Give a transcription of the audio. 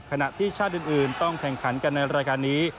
ขณะที่ชาติอื่นต้องแข่งขันกันในรายการนี้